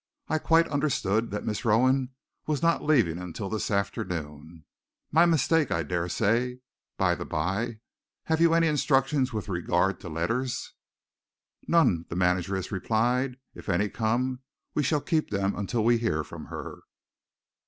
"I quite understood that Miss Rowan was not leaving until this afternoon. My mistake, I daresay. By the bye, have you any instructions with regard to letters?" "None," the manageress replied. "If any come, we shall keep them until we hear from her."